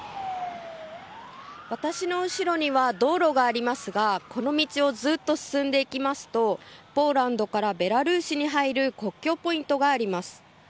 私の後ろには道路がありますがこの道をずっと進んでいきますとポーランドからベラルーシに入る国境ポイントがあります。